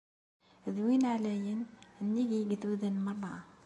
D Win Ɛlayen, nnig yigduden merra.